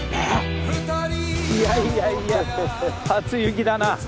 いやいやいや初雪だな。